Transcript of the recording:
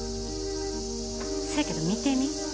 せやけど見てみ。